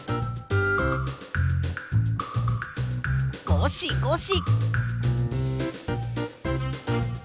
ごしごし！